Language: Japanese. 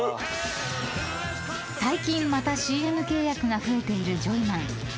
［最近またＣＭ契約が増えているジョイマン］